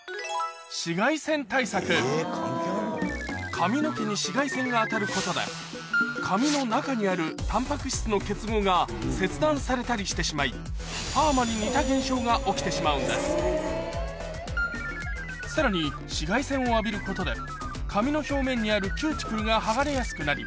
髪の毛に紫外線が当たることで髪の中にあるたんぱく質の結合が切断されたりしてしまいパーマに似た現象が起きてしまうんですさらに紫外線を浴びることで髪の表面にあるキューティクルが剥がれやすくなり